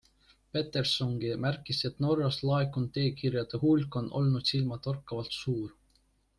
Pettersongi märkis, et Norrast laekunud e-kirjade hulk on olnud silmatorkavalt suur.